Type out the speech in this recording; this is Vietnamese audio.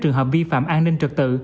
trường hợp vi phạm an ninh trật tự